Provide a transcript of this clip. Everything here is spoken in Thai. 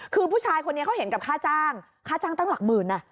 คือผู้ชายคนนี้เขาเห็นกับค่าจ้างค่าจ้างตั้งหลักหมื่น